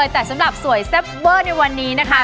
แต่สำหรับสวยแซ่บเวอร์ในวันนี้นะคะ